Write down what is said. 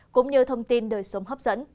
cũng như thông tin đời sống hấp dẫn